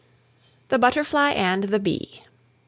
THE BUTTERFLY AND THE BEE.